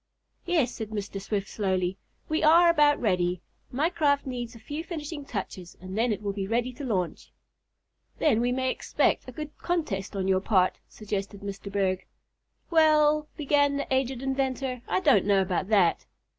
"Yes," said Mr. Swift slowly. "We are about ready. My craft needs a few finishing touches, and then it will be ready to launch." "Then we may expect a good contest on your part," suggested Mr. Berg. "Well," began the aged inventor, "I don't know about that."